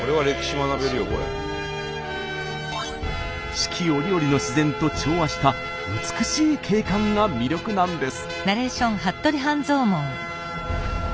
四季折々の自然と調和した美しい景観が魅力なんです。